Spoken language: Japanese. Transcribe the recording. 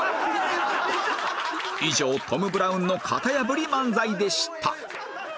以上トム・ブラウンの型破り漫才でした